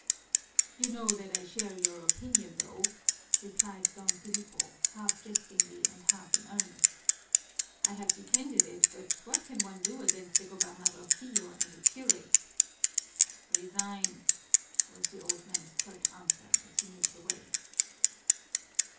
"You know that I share your opinion, though," replied Don Filipo, half jestingly and half in earnest. "I have defended it, but what can one do against the gobernadorcillo and the curate?" "Resign!" was the old man's curt answer as he moved away.